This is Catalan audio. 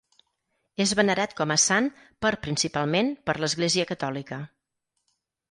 És venerat com a sant per principalment per l'església catòlica.